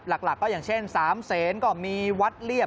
หลักก็อย่างเช่น๓เสนก็มีวัดเรียบ